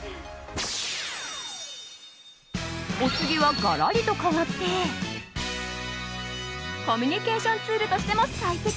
お次はガラリと変わってコミュニケーションツールとしても最適！